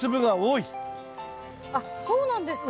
あっそうなんですか？